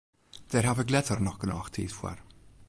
Dêr haw ik letter noch genôch tiid foar.